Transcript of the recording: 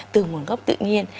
từ nguồn gốc tự nhiên